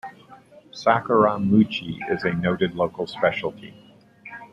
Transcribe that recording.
"Sakuramochi" is a noted local specialty.